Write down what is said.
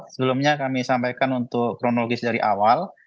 sebelumnya kami sampaikan untuk kronologis dari awal